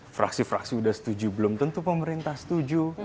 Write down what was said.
fraksi fraksi sudah setuju belum tentu pemerintah setuju